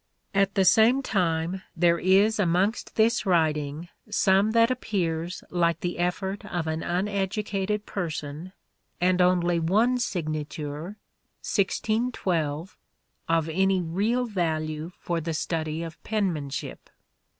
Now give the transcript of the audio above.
At the same time there is amongst this writing some that appears like the effort of an uneducated person, and only one signature (1612) of any real value for the study of penmanship.